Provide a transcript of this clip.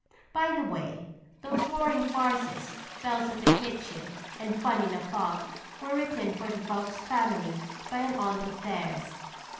By the way, those roaring farces, Belles of the Kitchen and Fun in a Fog, were written for the Vokes family by an aunt of theirs.